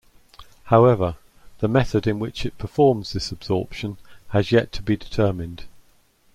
However, the method in which it performs this absorption has yet to be determined.